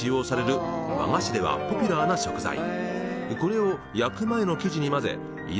これを。